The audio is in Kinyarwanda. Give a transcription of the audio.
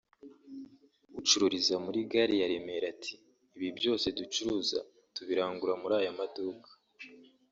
ucururiza muri Gare ya Remera ati ’’Ibi byose ducuruza tubirangura muri aya maduka